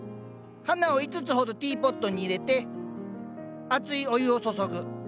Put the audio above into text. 花を５つほどティーポットに入れて熱いお湯を注ぐ。